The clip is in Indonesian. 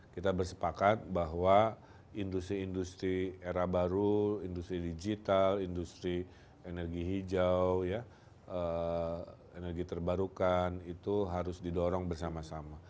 kita bersepakat bahwa industri industri era baru industri digital industri energi hijau energi terbarukan itu harus didorong bersama sama